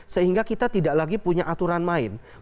sehingga kita tidak lagi punya aturan main